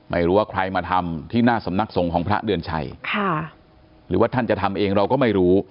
ไม่รู้ว่าใครมาทำที่หน้าสำนักสงฆ์ของพระเดือนชัยค่ะหรือว่าท่านจะทำเองเราก็ไม่รู้